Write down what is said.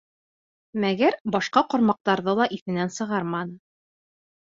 Мәгәр башҡа ҡармаҡтарҙы ла иҫенән сығарманы.